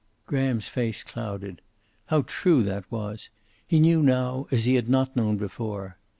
Graham's face clouded. How true that was! He knew now, as he had not known before.